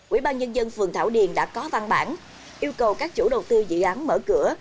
ủy ban nhân dân phường thảo điền đã có văn bản yêu cầu các chủ đầu tư dự án mở cửa